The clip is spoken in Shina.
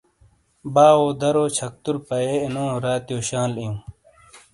باٶو درو چھَکتُر پَیئے اے نو ، راتِیو شال اِیوں۔